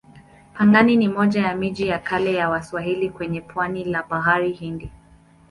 Pangani ni moja ya miji ya kale ya Waswahili kwenye pwani la Bahari Hindi.